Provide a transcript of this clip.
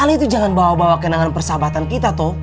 kali itu jangan bawa bawa kenangan persahabatan kita tuh